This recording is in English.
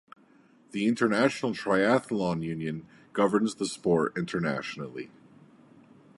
The International Triathlon Union governs the sport internationally.